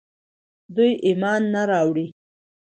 دوی ايمان نه راوړي